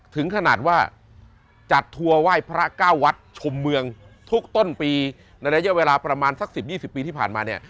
ถึงขนาดว่าจัดทัวร์ไหว้พระเก้าวัดชมเมืองทุกต้นปีในระยะเวลาประมาณสัก๑๐๒๐ปีที่ผ่านมาเนี่ย